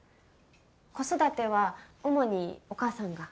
子育ては主にお母さんが？